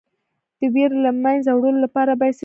د ویرې د له منځه وړلو لپاره باید څه شی وڅښم؟